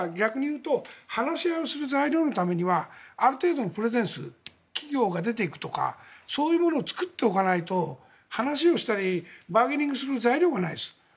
逆に言うと話し合いをするための材料のためにはある程度のプレゼンス企業が出ていくとかそういうものを作っておかないと話をしたり材料がないです。